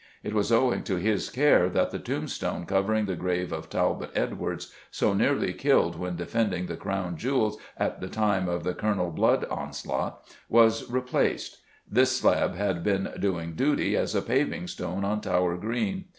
It was owing to his care that the tombstone covering the grave of Talbot Edwards, so nearly killed when defending the Crown Jewels at the time of the Colonel Blood onslaught, was replaced. This slab had been doing duty as a paving stone on Tower Green.